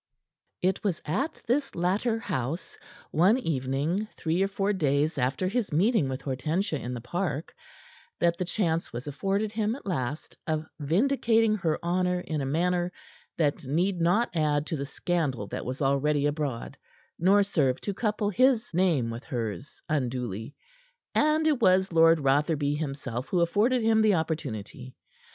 It was at this latter house, one evening three or four days after his meeting with Hortensia in the park, that the chance was afforded him at last of vindicating her honor in a manner that need not add to the scandal that was already abroad, nor serve to couple his name with hers unduly. And it was Lord Rotherby himself who afforded him the opportunity.